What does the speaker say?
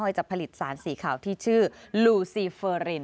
จะผลิตสารสีขาวที่ชื่อลูซีเฟอริน